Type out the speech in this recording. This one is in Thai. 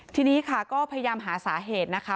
ทีนี้ค่ะก็พยายามหาสาเหตุนะคะ